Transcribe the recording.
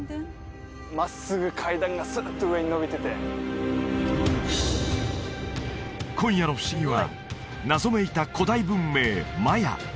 真っすぐ階段がスッと上に伸びてて今夜のふしぎは謎めいた古代文明マヤ